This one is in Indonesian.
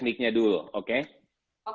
untuk karyamin pembahasan rancangan terakhir